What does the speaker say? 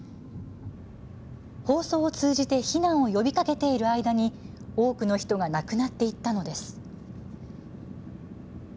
放送を通じて避難を呼びかけている間に多くの人が亡くなっていったのです。